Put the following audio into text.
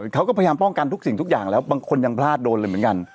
เขาก็พยายามป้องกันทุกสิ่งทุกอย่างแล้วบางคนยังพลาดโดนเลยเหมือนกัน